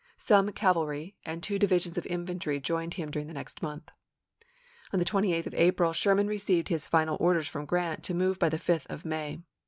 Some cavalry and two divisions of infantry joined him during the next month. On the 28th of April Sherman received his final orders from Grant to move by the 5th of May.